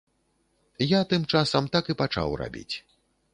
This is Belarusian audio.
Я, тым часам, так і пачаў рабіць.